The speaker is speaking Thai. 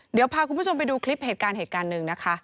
เดี๋ยวพาคุณผู้ชมไปดูคลิปเหตุการณ์หนึ่งนะคะ